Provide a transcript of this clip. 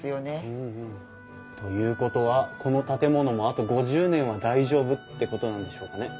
ということはこの建物もあと５０年は大丈夫ってことなんでしょうかね。